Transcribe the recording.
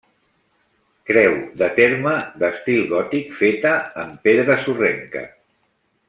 Creu de terme d'estil gòtic feta en pedra sorrenca.